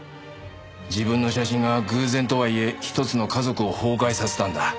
自分の写真が偶然とはいえひとつの家族を崩壊させたんだ。